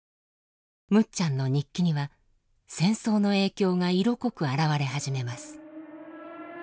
むっちゃんの日記には戦争の影響が色濃く表れ始めます。